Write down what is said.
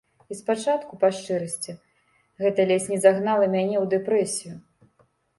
І спачатку, па шчырасці, гэта ледзь не загнала мяне ў дэпрэсію.